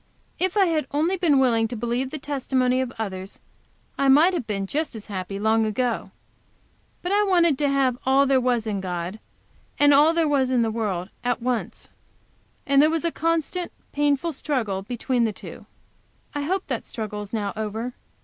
If I had only been willing to believe the testimony of others I might have been just as happy long ago. But I wanted to have all there was in God and all there was in the world, at once, and there was a constant, painful struggle between the two. I hope that struggle is now over.